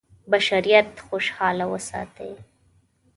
بشریت خوشاله وساتي.